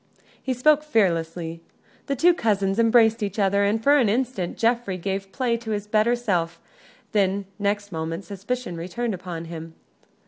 He spoke fearlessly. The two cousins embraced each other, and for an instant Geoffrey gave play to his better self; then, next moment, suspicion returned upon him.